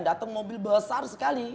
datang mobil besar sekali